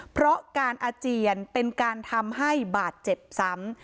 เพราะการอาเจียนเป็นการทำให้บาดเจ็บซ้ำ